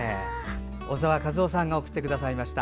小澤一雄さんが送ってくれました。